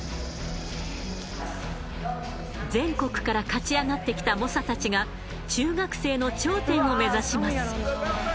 全国から勝ち上がってきた猛者たちが中学生の頂点を目指します。